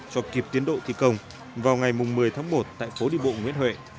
cho kịp tiến độ thi công vào ngày một mươi tháng một tại phố đi bộ nguyễn huệ